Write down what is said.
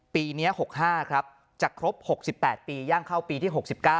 ปีนี้๖๕ครับจะครบ๖๘ปีย่างเข้าปีที่๖๙